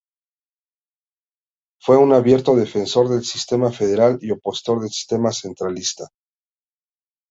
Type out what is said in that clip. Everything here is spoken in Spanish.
Fue un abierto defensor del sistema federal y opositor del sistema centralista.